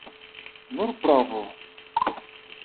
Nur provu.